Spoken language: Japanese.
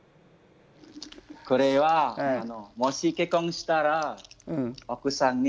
これはもし結婚したら奥さんにあげたいです。